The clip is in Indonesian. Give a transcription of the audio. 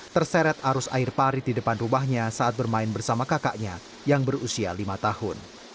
terseret arus air parit di depan rumahnya saat bermain bersama kakaknya yang berusia lima tahun